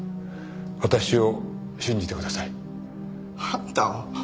私を信じてください。あんたを？